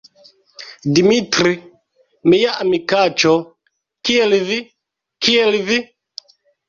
Dimitri, mia amikaĉo, kiel vi? Kiel vi?